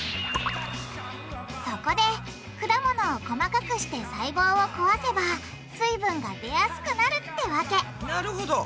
そこで果物を細かくして細胞を壊せば水分が出やすくなるってわけなるほど！